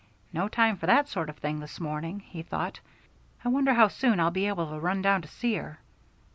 "No time for that sort of thing this morning," he thought. "I wonder how soon I'll be able to run down to see her."